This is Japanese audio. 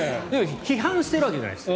批判してるわけじゃないです。